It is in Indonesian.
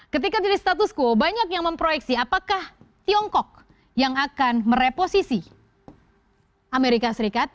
ketika jadi status quo banyak yang memproyeksi apakah tiongkok yang akan mereposisi amerika serikat